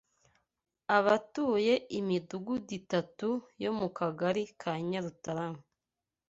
abatuye imidugudu itatu yo mu Kagari ka Nyarutarama